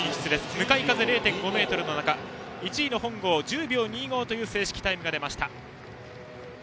向かい風０．５メートルの中１位の本郷は１０秒２５という正式タイムが出ました。